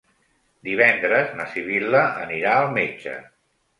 Divendres na Sibil·la anirà al metge.